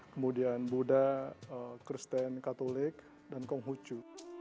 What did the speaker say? kemudian buddha kristen katolik dan konghucu